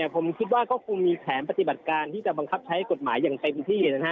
ผมคิดว่าก็คงมีแผนปฏิบัติการที่จะบังคับใช้กฎหมายอย่างเต็มที่